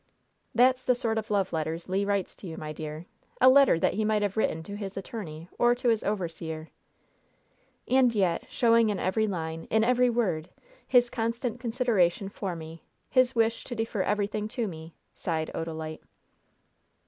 "That's the sort of love letters Le writes to you, my dear! A letter that he might have written to his attorney or to his overseer!" "And yet, showing in every line, in every word, his constant consideration for me, his wish to defer everything to me," sighed Odalite.